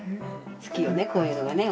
好きよねこういうのがね。